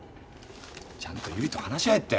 ちゃんと由理と話し合えって。